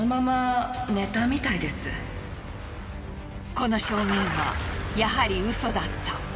この証言はやはりウソだった。